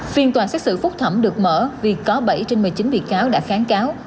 phiên tòa xét xử phúc thẩm được mở vì có bảy trên một mươi chín bị cáo đã kháng cáo